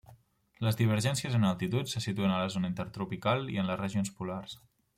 Les divergències en altitud se situen a la zona intertropical i en les regions polars.